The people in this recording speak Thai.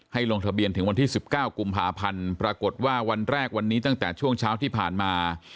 ลงทะเบียนถึงวันที่๑๙กุมภาพันธ์ปรากฏว่าวันแรกวันนี้ตั้งแต่ช่วงเช้าที่ผ่านมา